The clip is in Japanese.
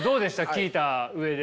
聞いた上で。